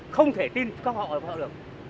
không thể tin các họ ở họ được